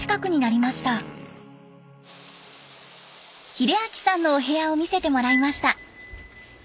秀明さんのお部屋を見せてもらいました。